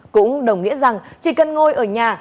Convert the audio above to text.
cũng đồng nghĩa rằng chỉ cần ngồi ở nhà